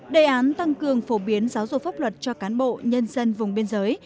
đề án tăng cường phổ biến giáo dục pháp luật cho cán bộ nhân dân vùng biên giới